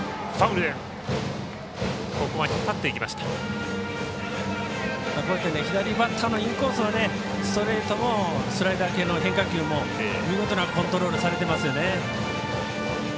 こういった左バッターのインコースのストレートもスライダー系の変化球も見事なコントロールをされていますよね。